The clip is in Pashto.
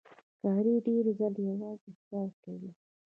ښکاري ډېر ځله یوازې ښکار کوي.